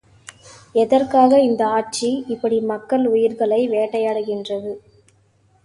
எதற்காக இந்த ஆட்சி இப்படி மக்கள் உயிர்களை வேட்டையாடுகின்றது?